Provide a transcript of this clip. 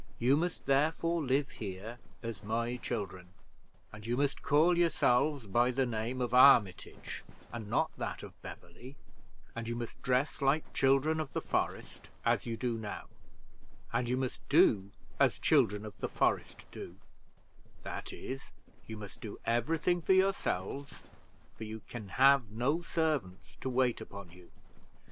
You must, therefore, live here as my children, and you must call yourselves by the name of Armitage, and not that of Beverley; and you must dress like children of the forest, as you do now, and you must do as children of the forest do that is, you must do every thing for yourselves, for you can have no servants to wait upon you.